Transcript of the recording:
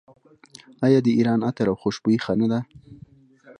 آیا د ایران عطر او خوشبویي ښه نه ده؟